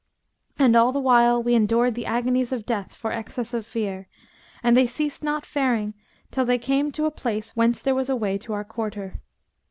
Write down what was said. And all the while we endured the agonies of death for excess of fear, and they ceased not faring till they came to a place whence there was a way to our quarter.